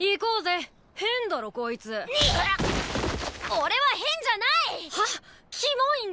俺は変じゃない！